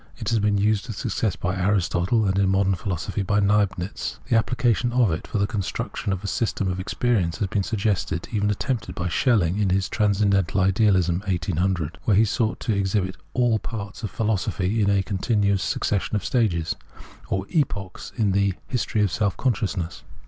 It had been used with success by Aristotle, and in modern, philosophy by Leibniz. The application of it for the construction of a system of experience had been suggested, and even attempted, by Schelling in his Transcendentl^il Idealism (1800), where he sought to exhibit all ' parts of philosophy in a continuous succession of stages ' ,,or ' epochs ' in the ' history of self consciousness.'